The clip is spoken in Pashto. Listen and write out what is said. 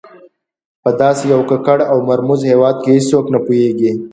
په داسې یو ککړ او مرموز هېواد کې هېڅوک نه پوهېږي.